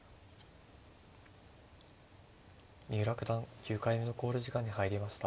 三浦九段９回目の考慮時間に入りました。